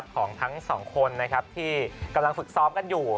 ของทั้ง๒คนที่กำลังฝึกซ้อมกันอยู่